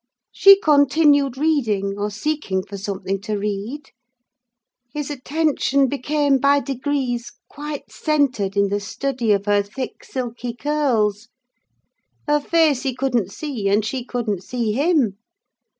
She continued reading, or seeking for something to read. His attention became, by degrees, quite centred in the study of her thick silky curls: her face he couldn't see, and she couldn't see him.